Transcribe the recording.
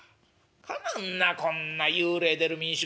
かなわんなこんな幽霊出る民宿。